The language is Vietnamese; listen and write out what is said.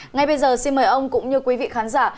ngay bây giờ xin mời ông cũng như quý vị khán giả